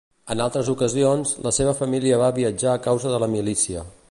En altres ocasions, la seva família va viatjar a causa de la milícia.